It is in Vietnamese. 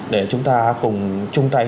để chúng ta cùng chung tay